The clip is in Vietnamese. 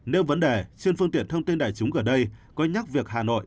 nếu vấn đề trên phương tiện thông tin đại chúng ở đây có nhắc việc hà nội